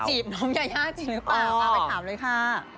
พี่นิชเนี่ยจีบน้องยาย่าจริงหรือเปล่าเอาไปถามเลยค่ะ